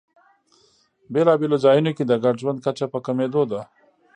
بېلابېلو ځایونو کې د ګډ ژوند کچه په کمېدو ده.